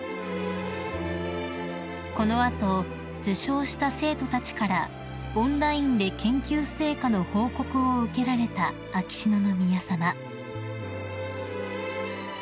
［この後受賞した生徒たちからオンラインで研究成果の報告を受けられた秋篠宮さま］